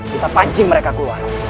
kita pancing mereka keluar